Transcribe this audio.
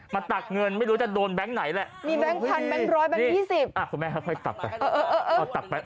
มาตักเงินไม่รู้จะโดนแบงค์ไหนแหละมีแบงค์๑๐๐๐แบงค์๑๐๐แบงค์๒๐อ่ะคุณแม่ค่อยตักไป